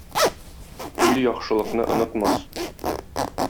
Ил яхшылыкны онытмас.